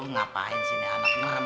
ngapain sini anak merem